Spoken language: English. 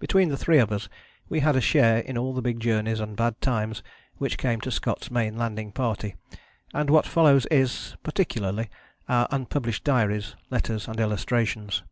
Between the three of us we had a share in all the big journeys and bad times which came to Scott's main landing party, and what follows is, particularly, our unpublished diaries, letters and illustrations.